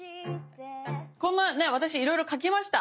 こんなね私いろいろ書きました。